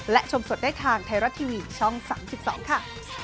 และชมสดได้ทางไทยรัฐทีวีช่อง๓๒ค่ะ